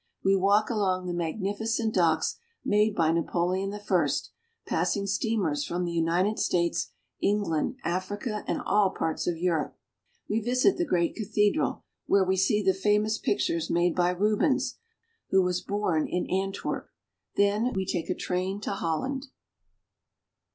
We walk along the magnificent docks made by Napoleon y I, passing steamers from the United States, England, Africa, and all parts of Europe. We visit the great cathedral, where we see the famous pictures made by Rubens, who was born in Antwerp ; then we take a train for Holland.